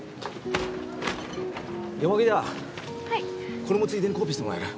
これもついでにコピーしてもらえる？